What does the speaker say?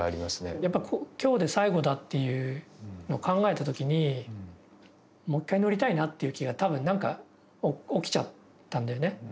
やっぱ今日で最後だっていうのを考えた時にもう１回乗りたいなっていう気が多分なんか起きちゃったんだよね。